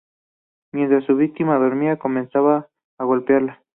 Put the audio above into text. Mientras su víctima dormía comenzaba a golpearla.